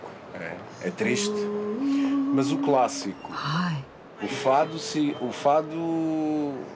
はい。